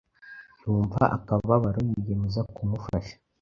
yumva akababaro yiyemeza kumufasha